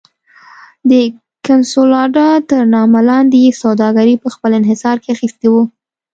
د کنسولاډا تر نامه لاندې یې سوداګري په خپل انحصار کې اخیستې وه.